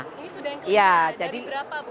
ini sudah yang kelima ya dari berapa bu